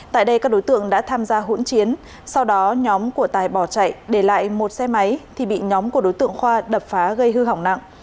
tại đây các đối tượng đã tham gia hỗn chiến sau đó nhóm của tài bỏ chạy để lại một xe máy thì bị nhóm của đối tượng khoa đập phá gây hư hỏng nặng